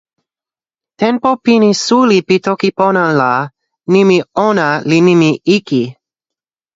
tenpo pini suli pi toki pona la nimi "ona" li nimi "iki".